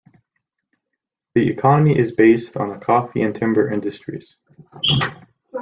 The economy is based on the coffee and timber industries.